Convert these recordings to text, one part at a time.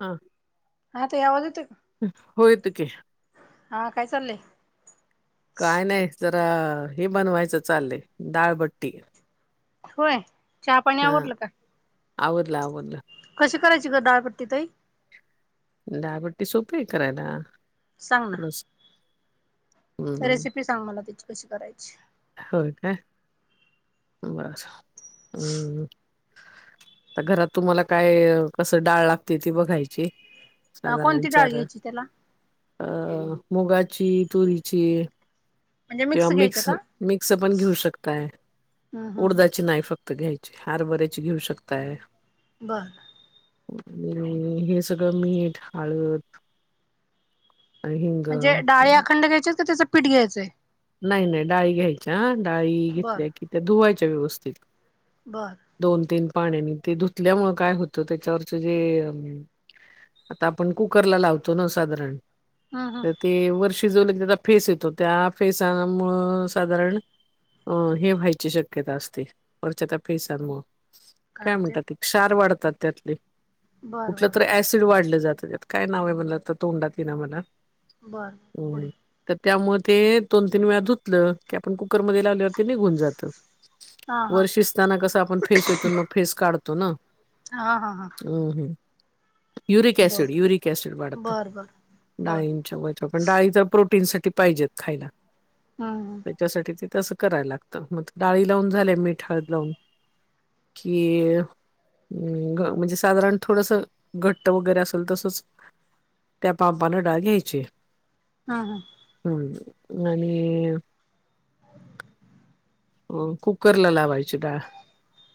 हा. आता आवाज येतोय का होोयत क. हा काय चालले. काय नाही जरा हे बनवायचं चाललंय डाळबट्टी होय चहा पाणी आवरडलं का आवरलं आवरलं कशी करायची ग डाळ भट्टी ताई दालभट्टि सोपी आहे करायला सांग ना थोडंस हम्म रेसिपी सांग मला त्याची कशी करायची होय काय बरं हम्म तर घरात तुम्हाला काय कसं डाळ लागते ती बघायची अ कोणती डाळ घ्यायची त्याला अं मुगाची तुरीची म्हणजे मिक्स घ्यायचं का मिक्स पण घेऊ शकताय हं हं उडदाची नाही फक्त फक्त घ्यायची हरभऱ्याची घेऊ शकताय बर अ हे सगळं मीठ हळद म्हणजे हिंग डाळे अखंड घ्यायचे क त्याचं पीठ घ्यायचंय नाही नाही डाळी घ्यायच्या डाळी बरं घेतल्या की त्या धुवायच्या व्यवस्थित बरं दोन तीन पाण्यानी ते धुतल्यामुळे काय होतं त्याच्यावरचे जे अ आता आपण कुकर ला लावतो ना साधारण हं हं तर ते वर शिजवले त्याचा फेस येतो त्या फेसामुळे साधारण अं हे व्हायची शक्यता असते वरच्या त्या फेसांमुळे काय म्हणतात क्षार वाढतात त्यातले बरं कुठलं बरं तर ऍसिड वाढले काय नाव आहे तोंडात येणा मला बरं हम्म. पुढे तर त्यामुळे ते दोन तीन वेळा धुतलं की आपण कुकरमध्येध्ये लावल्यावर ते निघून जात. हा हा वर शिजताना कस आपण फेस येतून मग फेस काढतो ना. हा हा हा हम् हम्. युरिक ऍसिड बरं युरिक ऍसिड वाढतं बरं बरं बरं डाळींच्या पण डाळी तर प्रोटीन ते पाहिजेत खायला हं हं त्याच्यासाठी तसं करायला लागतं मग डाळी लावून झाल्या मिठ हाळ लावून कि हम म्हणजे साधारण थोडस घट्ट वगैरे असेल तसच त्या मापन डाळ घ्यायचे हं हं हम्म आणि कुकर ला लावायची डाळ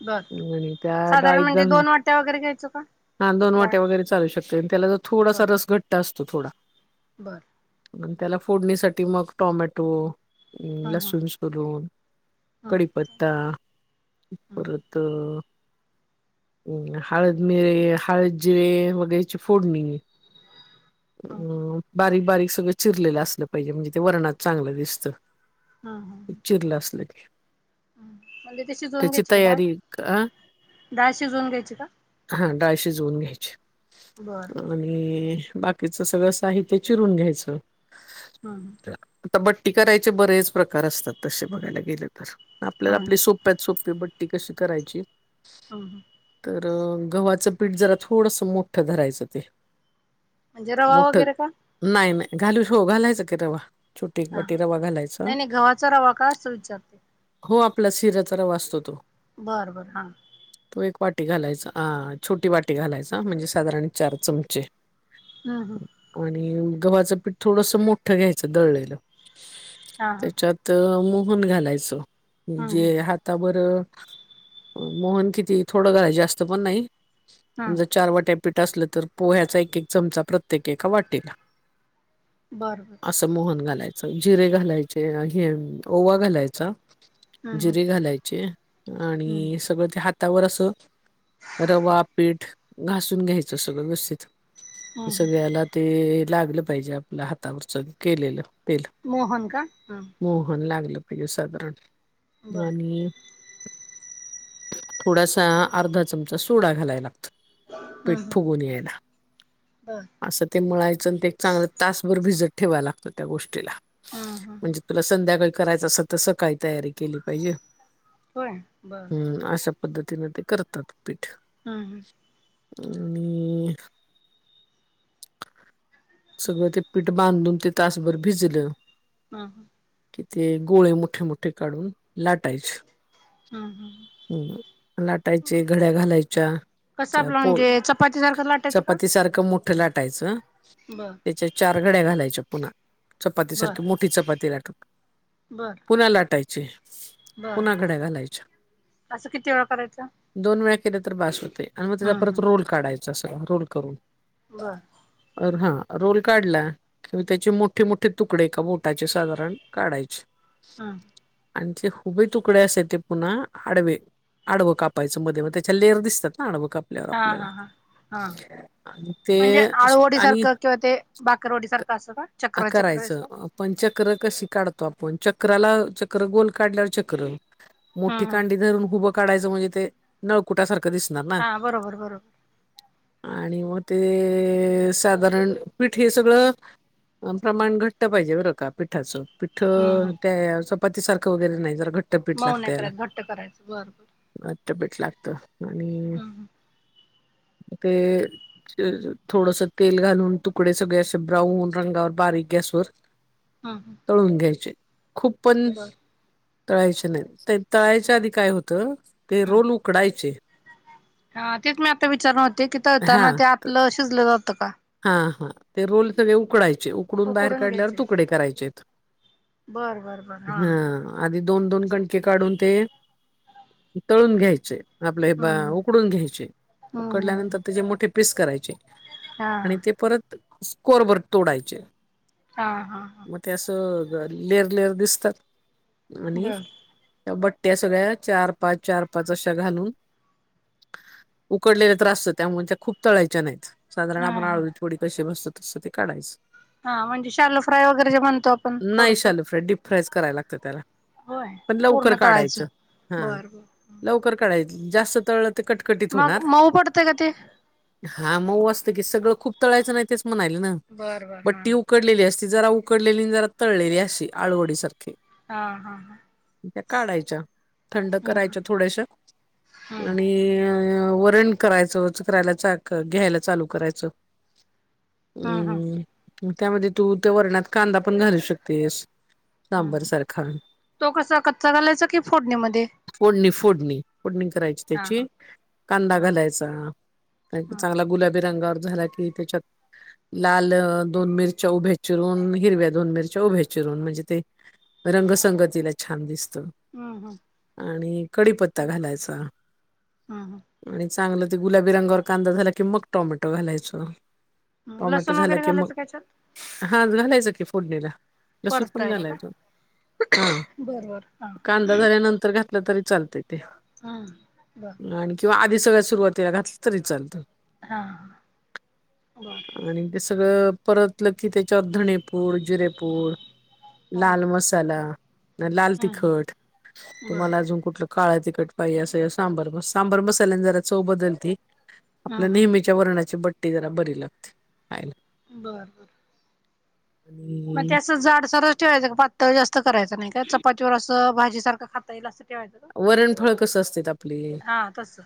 बरं आणि त्या साधारण डाळीत म्हणजे दोन वाट्या वगैरे घ्यायचो का हा दोन डाळ? वाटे वगैरे चालू शकतात त्याला जर थोडासा रस घट्ट असतो थोडा बरं त्याला फोडणीसाठी मग टोमॅटो हा हा लसूण सोलून हा कढीपत्ता हा परत हळद मिरे हळद जिरे वगैरेची फोडणी हा हम बारीक बारीक सगळं चिरलेलं असलं पाहिजे म्हणजे ते वरणात चांगलं दिसतं हा हा चिरलं असलं की म्हणजे ते शिजवून त्याची घ्यायची का डाळ तयारी अ डाळ शिजवून घ्यायची का हा डाळ शिजवून घ्यायची बर आणि बाकीच सगळं साहित्य चिरून घ्यायचं हम् बट्टी करायचे बरेच प्रकार असतात तसे बघायला गेले तर आपल्याला आपली ह सोप्यात सोपी बट्टी ती कशी करायची ह ह तर गव्हाचं पीठ जरा थोडस मोठं धरायचं ते म्हणजे रवा मोठ वगैरे का नाही नाही घालू श हो घालायचं क तेव्हा छुटी हा वाटी हा रवा घालायचा नाही नाही गव्हाचा रवा का असं विचारते हो आपला सिरा जरा वाचतो तो बर बर हा तो एक वाटी घालायचा छोटी वाटी घालायचा म्हणजे साधारण चार चमचे हम् हम् आणि गव्हाचं पीठ थोडस मोठं घ्यायचं दळलेलं हां त्याच्यात मोहन घालायच हां म्हणजे हातावर मोहन किती थोडं घरा जास्त पण हां नाहीज चार वाट्या पीठ असलं तर पोह्याचा एक एक चमचा प्रत्येक एका वाटेला बर बर असं मोहन घालायचं जिरे घालायचे हे ओवा घालायच ज हम्म घाला हम्म आणि स ह त्यावर असं रवा पीठ घासून घ्यायचं सगळं व्यवस्थित हम्म हम्म हम्म सगळ्याला ते लागलं पाहिजे आपल्या हातावर सग केलेलं ते मोहन का हम्म मोहन लागलं पाहिजे साधारण बर आणि थोडासा अर्धा चमचा सोडा घालाय लागतो हम्म हम्म पेठठू कोणी आहे ना बर असं ते म्हणायचं आणि ते एक चांगलं तासभर भिजत ठेवा लागतं त्या गोष्टीला हम्म हम्म म्हणजे तुला संध्याकाळी करायचं असं तर सकायचं तयारी केली पाहिजे होय बर हम्म अशा पद्धतीने ते करतात पीठ हम् हम् आणि सगळं ते पीठ बांधून ते तासभर भिजलं हम्म हम्म कि ते गोळे मोठे मोठे काढून लाटायचे हम्म हम्म हम्मं लाटांयचे घड्या घालांयच्या कसं त्या आपलं पो म्हणजे चपाती सारखं लाटायचं का? चपांती सारखं मोठं लाटांयचं बर त्यांच्या चार घड्या घालांयच्या पुन्हां चपांती बर सारखी मोठीं चपांती लाटत बर पुन्हां लाटांयची पुन्हां बर घड्यां घालांयच्यां असं किती वेळा करायचं? दोन वे केलं तरं भास होतें आणि मंग त्यांचा हम्म परत रोल हम्म काढायचा असं रोल करूंन बर रोल काढलां किंवा त्यांचे मोठें मोठें तुकडे एक बोटाचे साधांरण काढायंचे हम आणि जे हुबे तुकडे असे ते पुन्हा आडवे आडवं कापायचं मध्यें मंग त्यांच्या लेयरं दिसतांत हाउंक आपलं हा आपलं हा हा हा ते आणि भाकरवंडी सारखं असं का आ चक्र चक्र करांयचं असतात. आपणं पंचक्र कशी काढतो आपणं चक्राला चक्र गोल काढल्यांवर चक्र मोठीं हम्म हम्म कांडी धरून हूबतो काढाचं म्हणजे ते नळकुट सारखं हा बरोबर बरोबर आणि मंग ते साधारण पीठ हे सगळं प्रमांण घट्ट पाहिजे बरं का पिठाचं हम्म पिठं हम्म त्यां चपाती सारखं वगैरे नाहीं जरा घंट मऊ नाहीं करायचं घट्ट करायचंय बरबर बेस्ट लागतं आणि ते थोडंसं तेल घालूंन तुकडे सगळें असे ब्राऊन रंगावर बारीक गॅस व हम्म हम्म तळूंन घ्यांयचे खूप पणं बर तळायचे नाहीं तळायच्यां आधी कायं होतं ते हम्म रोल उकडायचे हा तेचं मी आता विचार न होते हा कितळतांना ते आपलं शिजलं जातं कां हा हा ते रोल सगळें उकडायंचे ते उकडून बाहेर काढाचे मंग त्यांचे तूकडे करांयचे बर बर बर हा अ आणि दोन दोन कणंके काढून ते तळूंन घ्यायंचे आपले हे बां हम्म उकडून घ्यायंचे हम्म पकडल्यानंतर त्यांचे मोठें पीस करायचे हा आणि ते परत स्कोअरवर तोडांयंचे हा हा हा लेर लेर दिसतांत आणि बर त्या बट त्या सगळ्यां चार पांच चार पांच अशा घालूंन उकडलेल्या त्रासतं त्यामुळें त्यांमूळे खूप तळांयच्यां नाहीतं साधारण हा आपणं हा आळू थोडी कशी बसतं तसं ते काढायचं हा म्हणजे शालू फ्राय वगैरे जे म्हणतो आपणं नाही थोडंसं शालू फ्राय डीप फ्रायच करायला लागतं त्यांला पणं लवकर पूर्ण तळायचं काढायचं हा बर बर लवकर काढायचं जास्तं तळलं ते कटकटीत मग होणारं मऊ पडतंय का ते हां मंग मंऊ सगळं खूप तळायचं नाहीं म्हणायंल नां बर बर हा बट्टी उकडलेली असं जरां उकडलेली जरां तळलेली अशी आडवोडी सारखं हा हा त्यां काढायच्यां थंड हम्म करायच्यां थोड्यांश हम्म आणि वरण करायचं चकरायला चाकं घ्यांयला चालूं करायचंय हम्म हम्म अम त्यांमध्ये तू त्यां वर्णात कांदा पणं घालू शकते येस हं तो कसा कच्चा घालायचा कि फोडणी मध्यें फोडणी फोडणी फोडणी करायंची त्यांची कांदा बर घालायचा हम्म चांगला गुलाबी रंगावर झांला कि त्यांच्यात लाल दोन मिरच्या उभ्या चिरून हिरव्या दोन मिरच्या उभ्या चिरून म्हणजे ते रंगसंगतीला छान दिसतं हम्म हम्म आणि कडींपत्ता बर घालांयचा हम्म आणि चांगलं ते गुलाबी रंगावर कांदा झाला कि मंग टोमॅटो घालायचं हम्म टोमॅटो लसूण झाला वगैरे कि मंग घालायचं का याच्यात हा घालायचं कि फोडणीला लसच पण परतायला का घालायचं हा बर बर हा कांदा झाल्यानंतर घात लं तरी चालतं ते हम्म बर आणि किंवा आधी सगळ्या सुरुवातीला घातलं तरी चालतं हा बर आणि ते सगळं परतलं की त्या चौधणीपूर जरपूर हा लाल हा मसाला लाल तिखट बर तुम्हाला अजून कुठलं काळा्या तिखटपाई असं सांबर सांबर मसाल्यानी जरा चोबदती हम हम ची बट्टी जरा बरी लागतेला बर बर मग आणि त्या असं जाडसरच ठेवायचं पातळ जास्त करायचं नाही का चपातीवर अस भाजी सारख खात येईल अस वरणफळ कस असत आपले हा तस.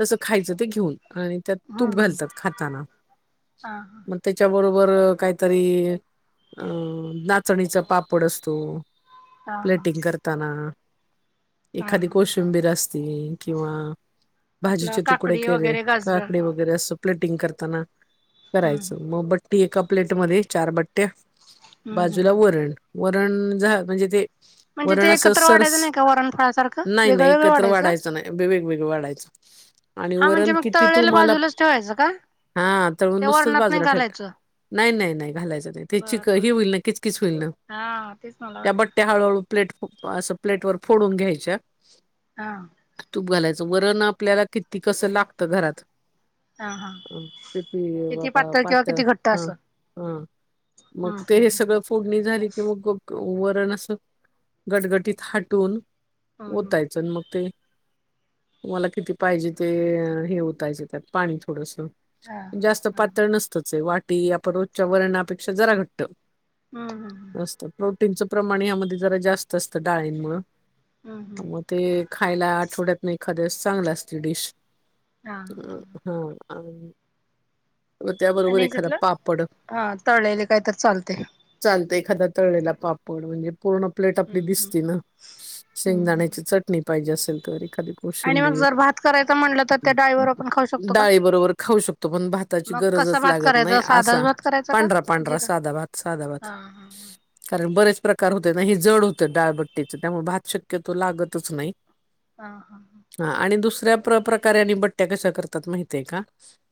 तसं खायचं ते घेऊन आणि त्यात तूप हम्म घालतात खाताना हा हा मग त्याच्याबरोबर वर काहीतरी नाचणीचा पापड असतो हा हा प्लेटिंग करताना हा एखादी हा कोशंबीर असती किंवा आपलं भाजीचे तुकडे काकडी के रे वगैरे गाजरं काकडी हा वगैरे असं प्लेटिंग करताना हम्म करायचं मग बट्टी एका प्लेट म चार बट्ट्या हम्म बाजूला हम्म वरण वरण ज म्हणजे ते म्हणजे वरण ते अस एकत्र सरस वाढायचं नाही का वरण फळासारखं नाही वेगळं नाही वेगळं एकत्र वाढायचं नाही वेगवेगळं वाढायचं आणि हा वरण म्हणजे मग किती तळलेलं तुमला बाजूलाच ठेवायचं का हा तरळून त्या नुसतंच वरणात नाही बाजूला ठट घालायचं? नाही नाही नाही घालायचं नाही त्याची बर बर हे बर. होईल ना किचकीच होईल ना हा तेच मला त्या वाटलं बट्ट्या हळूहळू प्लेट असं प्लेट वर फोडून घ्यायच्या हा तूप घालायचं वरण आपल्याला किती कस लागत घरात हा हा ह पिपी किती पातळ किंवा पाट किती घट्ट हा असं हा मग हम्म ते हे हम्म सगळं फोडणी झाली की मग वरण असं गटगटीत हाटून हम्म. हम्म हम्म. तायचं मग ते मला किती पाहिजे ते हे होतायचे त्यात पाणी थोडस हा हा जास्त हम्म पातळ नसतच वाटी आपण रोजच्या वरणापेक्षा जरा घटत हम्म हम् हम् ींचं प्रमाण यामध्ये जरा जास्त असतं डाळींमुळे हम्म हम्म मग ते खायला आठवड्यात नाही एखाद्याच चांगलं असते डिश हा अ म त्या बरोबर आणि एखादा ह्याच्यातलं पापड हा तळलेले काय तर चालते. हम्म चचाांते एखादा तळलेला पापड म्हणजे पूर्ण प्लेट आपली दिसती हम्म ना हम्म शेंगदाण्याची चटणी पाहिजे असेल तररी ाली आणि मग कोशिंबी जर भात करायचा म्हणलं तर त्या डाळीवर आपण खाऊ शकतो का? डाळी बरोबर खाऊ शकतो पण भाताची मग कसा गरजच भात लागत नाही करायचा साधाच असा भात करायचा का पांढरा पांढरा जिरा साधा भात साधा भात हा हा कारण बरेच प्रकार होते ना हे जड होतं डाळबट्टीच त्यामुळे भात शक्य तो लागतच नाही हा हा हा दुऱ्या प्र प्रकारे आणि बट्या कश्या करतात माहिितय का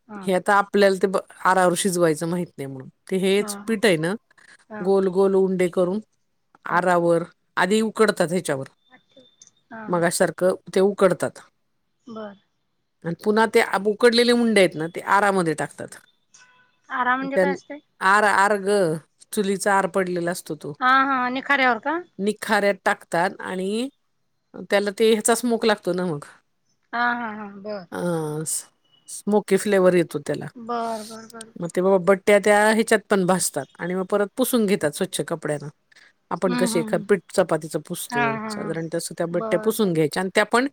हा हा हे आता आपल्याला ते आरावर शिजवायचं माहित नाही म्हणून ते हेच पिट आहे ना हा हा गोल गोल उंडे करून हा आरावर आधी उकडतात ह्याच्यावर मगसारखं ते उकडतात बरं आणि पुन्हा ते आ उकडलेले मुंडे आहेत आ टाकतात आरा म्हणजे काय असते? ग चुलीचा आर पडलेला असतो तो हा हा आणि खऱ्यावर का निखाऱ्यात टाकतात आणि त्याला ते ह्याचाचमक लागतो ना मग हा हा हा बर अ स्मोकी फ्लेवर येतो त्याला बर बर बर. मग ते बाबा बट त्या ह्याच्यात पण भासतात आणि मग परत पुसून घेतात स्वच्छ कपड्याना आपण हम्म कशी एखा हम्म पिठ चपातीच हा पुसतो हा हा साधारण त्यास त्या बट्ट्या बर पुसून बर घ्यायच्या आणि त्या आपण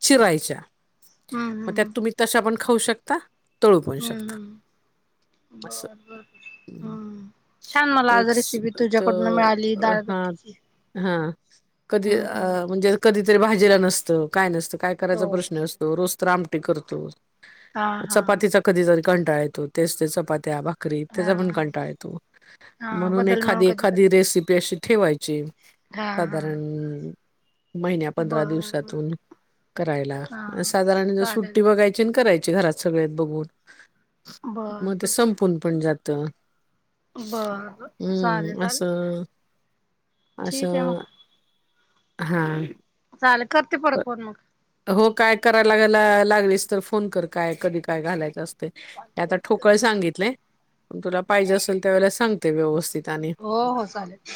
चिरायच्या हम्म मग त्यात हम्म तुम्ही तशा पण खाऊ शकता तळू पणू शकता ब असं. बर हम्म. छान मला तो आज एक रेसिपी त तुझ्याकडून मिळाली द हा ची हा कधी म्हणजे कधीतरी भाजीला नसतं काय नसतं काय हो करायचा हो प्रश्न असतो रोस् त्रामटी करतोग हा हा चपातीचा कधीतरी कंटाळ येतो तेच ते चपात्याघ करी त्याचा हा पण कटा य तो हा म्हणून बदल एखादी कधीतरी एखादी रेसिपी अशी ठेवायची हा हा कारण महिन्या पंधरा बर बर दिवसातून करायला हा साधारण ज चालेल सुट्टी चालेल बघायची आणि करायची घरात सगळे आहेत बघून बर मग ते बर संपून पण जात बर बर चालेल हम् चालेल असं असं ठीक आहे मग हा चाल करते परत पण मग हो काय करायला लागला लागलीस तर फोन कर काय कधी काय घालायचं असत आता ठोकळ सांगितले पण तुला पाहिजे असेल त्यावेेळे सांगते व्यवस्थित आणि हो हो चालेल